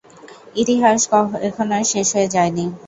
ইতিহাস এখনো শেষ হয়ে যায় নি।